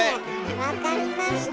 分かりました！